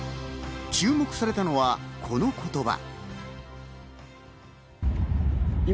注目されたのは、この言葉。